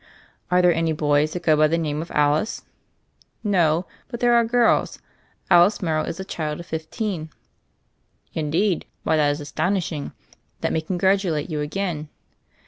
"Are there any boys going by the name of Alice?" "No; but there are girls. Alice Morrow is a child of fifteen." "Indeed 1 Why that is astonishing. Let me congratulate you again."